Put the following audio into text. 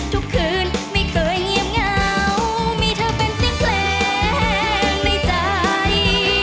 ทุกคืนไม่เคยเงียบเหงามีเธอเป็นติ๊กเพลงในใจ